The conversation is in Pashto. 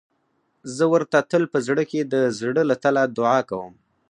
زه ورته تل په زړه کې د زړه له تله دعا کوم.